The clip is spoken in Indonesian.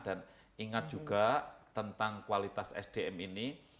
dan ingat juga tentang kualitas sdm ini